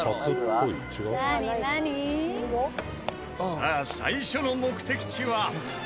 さあ最初の目的地は。